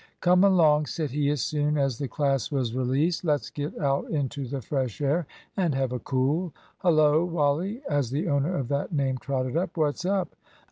"Come along," said he as soon as the class was released; "let's get out into the fresh air and have a cool. Hullo, Wally," as the owner of that name trotted up, "what's up?"